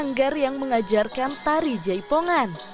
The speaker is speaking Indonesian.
sanggar yang mengajarkan tari jaipongan